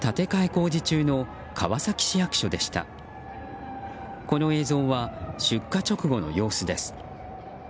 この映像は出火直後の様子です。